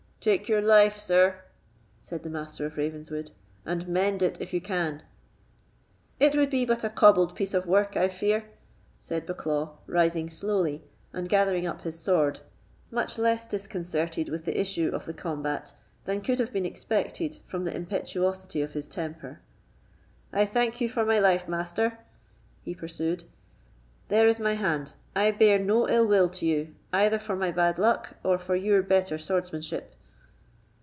"Take your life, sir," said the Master of Ravenswood, "and mend it if you can." "It would be but a cobbled piece of work, I fear," said Bucklaw, rising slowly and gathering up his sword, much less disconcerted with the issue of the combat than could have been expected from the impetuosity of his temper. "I thank you for my life, Master," he pursued. "There is my hand; I bear no ill will to you, either for my bad luck or your better swordsmanship."